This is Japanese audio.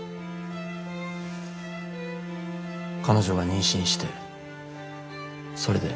彼女が妊娠してそれで。